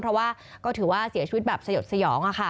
เพราะว่าก็ถือว่าเสียชีวิตแบบสยดสยอง